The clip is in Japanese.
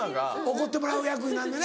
怒ってもらう役になんねな。